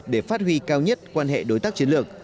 để phát huy cao nhất quan hệ đối tác chiến lược